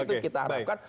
itu kita harapkan